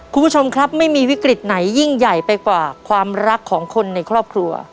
คุณผู้ชมครับไม่มีวิกฤตไหนยิ่งใหญ่ไปกว่าความรักของคนในครอบครัว